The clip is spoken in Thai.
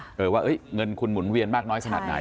เออว่าเงินคุณหมุนเวียนมากน้อยขนาดไหน